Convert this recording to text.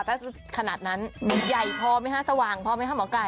ถ้าขนาดนั้นใหญ่พอไหมคะสว่างพอไหมคะหมอไก่